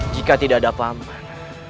jika tidak ada paman